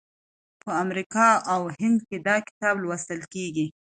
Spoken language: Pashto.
په امریکا او هند کې دا کتاب لوستل کیږي.